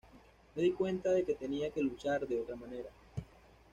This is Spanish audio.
Me di cuenta de que tenía que luchar de otra manera.